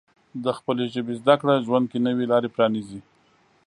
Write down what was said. د خپلې ژبې زده کړه ژوند کې نوې لارې پرانیزي.